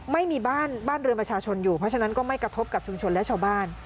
ไม่มีบ้านบ้านเรือนประชาชนอยู่เพราะฉะนั้นก็ไม่กระทบกับชุมชนและชาวบ้าน